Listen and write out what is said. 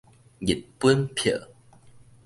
日本票